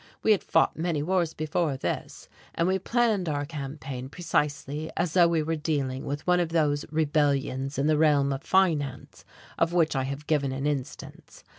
We had fought many wars before this, and we planned our campaign precisely as though we were dealing with one of those rebellions in the realm of finance of which I have given an instance.